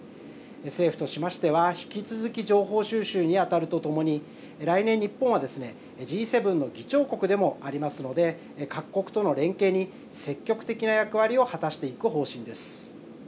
政府としましては引き続き情報収集にあたるとともに来年日本はＧ７の議長国でもありますので各国との連携に積極的な役割を果たしていく方針です。